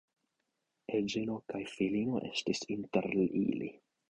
Edzino kaj filino estis inter ili.